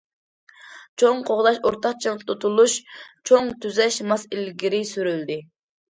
چوڭ قوغداش ئورتاق چىڭ تۇتۇلۇپ، چوڭ تۈزەش ماس ئىلگىرى سۈرۈلدى.